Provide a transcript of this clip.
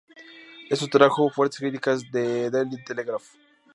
Esto atrajo fuertes críticas de "The Daily Telegraph".